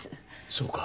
そうか。